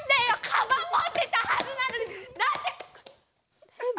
カバンもってたはずなのになんでヘビ？